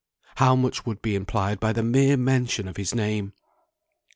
How much would be implied by the mere mention of his name!